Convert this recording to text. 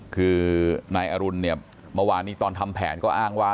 คือนายอรุณเนี่ยเมื่อวานนี้ตอนทำแผนก็อ้างว่า